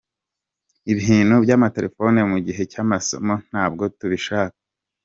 Ibintu by’amatelefoni mu gihe cy’amasomo ntabwo tubishaka .